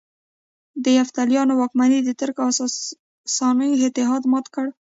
د یفتلیانو واکمني د ترک او ساساني اتحاد ماته کړه